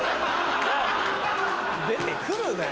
出て来るなよ！